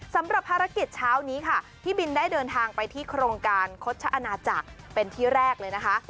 สำหรับภารกิจเช้านี้ค่ะพี่บินได้เดินทางไปที่โครงการคดชะอาณาจักรเป็นที่แรกเลยนะคะ